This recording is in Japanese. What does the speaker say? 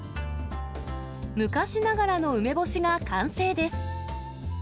昔ながらの梅干しが完成です。